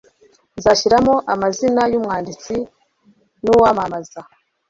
nzashyiramo amazina yumwanditsi nuwamamaza